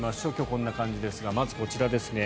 こんな感じですがまずはこちらですね。